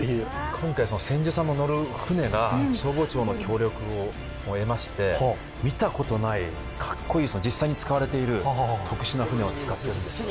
今回、千住さんの乗る船が消防庁の協力を得まして、見たことない格好いい、実際に使われている特殊な船を使っているんですよ。